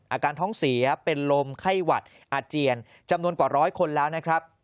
อาการท้องเสียเป็นลมไข้หวัดอาเจียนจำนวนกว่าร้อยคนแล้วนะครับ